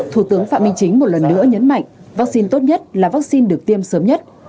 thủ tướng phạm minh chính một lần nữa nhấn mạnh vaccine tốt nhất là vaccine được tiêm sớm nhất